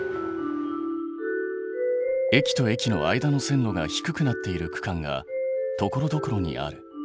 駅と駅の間の線路が低くなっている区間がところどころにある。